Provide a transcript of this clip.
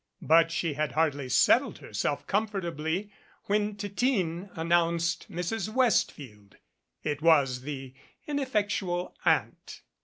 But she had hardly settled herself comfortably when Titine announced Mrs. Westfield. It was the ineffectual Aunt.